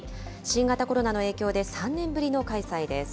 新型コロナの影響で３年ぶりの開催です。